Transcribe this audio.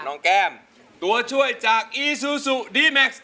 แก้มตัวช่วยจากอีซูซูดีแม็กซ์